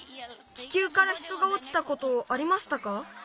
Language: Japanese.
気球から人がおちたことありましたか？